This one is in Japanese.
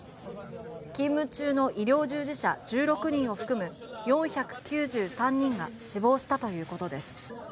勤務中の医療従事者１６人を含む４９３人が死亡したということです。